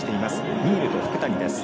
ニールと福谷です。